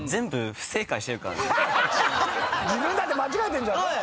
自分だって間違えてんじゃんな！